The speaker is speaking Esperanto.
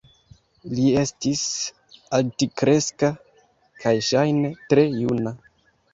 Li estis altkreska kaj ŝajne tre juna.